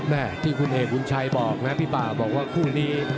แม่ที่คุณเอกบุญชัยบอกนะพี่ป่าบอกว่าคู่นี้